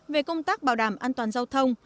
về công tác bảo đảm an toàn giao thông